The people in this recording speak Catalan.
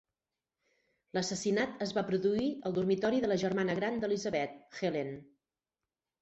L'assassinat es va produir al dormitori de la germana gran d'Elisabeth, Helen.